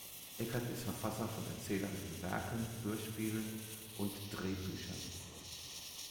Eckert ist Verfasser von erzählerischen Werken, Hörspielen und Drehbüchern.